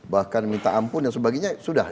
bahkan minta ampun dan sebagainya sudah